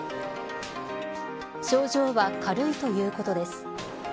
症状は軽いということです。